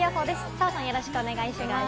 澤さん、よろしくお願いします。